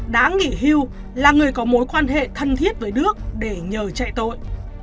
đã nghỉ hưu là người có mối quan hệ thân thiết với đức để nhờ chạy tội